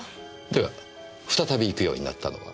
では再び行くようになったのは？